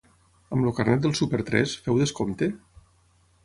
Amb el carnet del súper tres, feu descompte?